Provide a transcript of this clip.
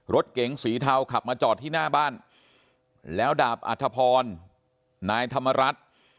รถเก๋งสีเทาขับมาจอดที่หน้าบ้านแล้วดาบอัธพรนายธรรมรัฐ